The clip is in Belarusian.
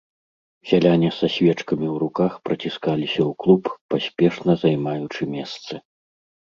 Сяляне са свечкамі ў руках праціскаліся ў клуб, паспешна займаючы месцы.